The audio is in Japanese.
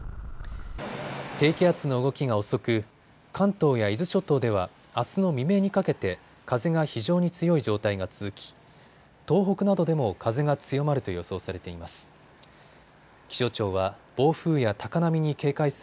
低気圧の動きが遅く関東や伊豆諸島ではあすの未明にかけて風が非常に強い状態が続き東北などでも風が強まると予想されています。